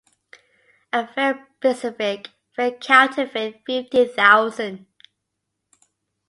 A very specific, very counterfeit fifty thousand.